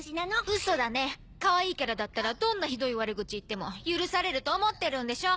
ウソだねかわいいキャラだったらどんなひどい悪口言っても許されると思ってるんでしょ？